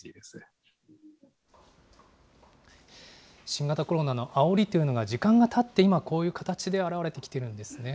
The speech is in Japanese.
新型コロナのあおりというのが時間がたって今、こういう形で表れてきているんですね。